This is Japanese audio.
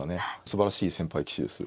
すばらしい先輩棋士です。